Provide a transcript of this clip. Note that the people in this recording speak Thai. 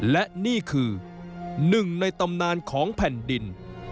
และนี่คือหนึ่งในตำนานของแผ่นดิน